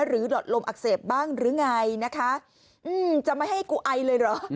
หลอดลมอักเสบบ้างหรือไงนะคะอืมจะไม่ให้กูไอเลยเหรอ